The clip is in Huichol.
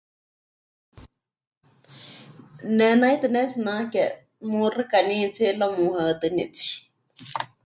Ne naitɨ pɨnetsinake, muxɨkanitsie luego muhaɨtɨnitsie.